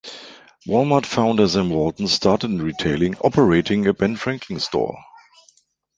Walmart founder Sam Walton started in retailing operating a Ben Franklin store.